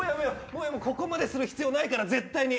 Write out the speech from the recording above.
ここまでする必要ないから絶対。